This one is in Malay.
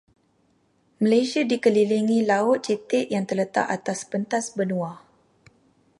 Malaysia dikelilingi laut cetek yang terletak atas pentas benua.